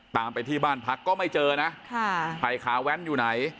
ตามไปที่บ้านพักก็ไม่เจอนะค่ะไผ่ขาแว้นอยู่ไหน